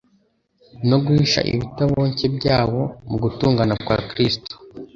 no guhisha ibitaboncye byawo mu gutungana kwa Kristo.